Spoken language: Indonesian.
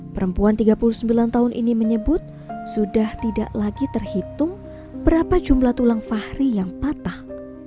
perempuan tiga puluh sembilan tahun ini menyebut sudah tidak lagi terhitung berapa jumlah tulang fahri yang patah